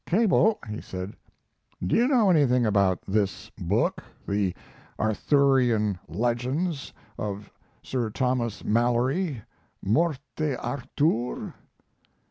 "Cable," he said, "do you know anything about this book, the Arthurian legends of Sir Thomas Malory, Morte Arthure?"